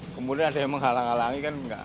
kemudian ada yang menghalang halangi kan enggak